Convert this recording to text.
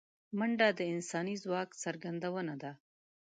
منډه د انساني ځواک څرګندونه ده